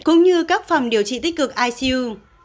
cũng như các phòng điều trị tích cực icu